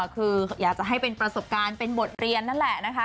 คืออยากจะให้เป็นประสบการณ์เป็นบทเรียนนั่นแหละนะคะ